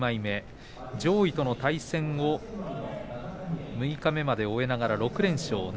上位との対戦を六日目までに終えて６連勝。